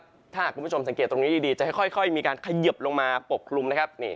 ถ้าหากคุณผู้ชมสังเกตตรงนี้ดีจะค่อยมีการเขยิบลงมาปกคลุมนะครับ